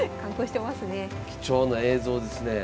貴重な映像ですねえ。